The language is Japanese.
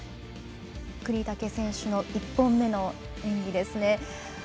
國武選手の１本目の演技ですね。